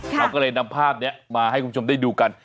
เราก็เลยนำภาพนี้มาให้คุณผู้ชมได้ดูกัน